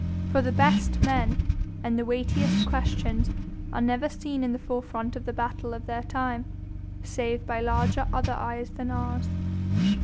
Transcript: For the best men and the weightiest questions are never seen in the forefront of the battle of their time, save by "larger other eyes than ours."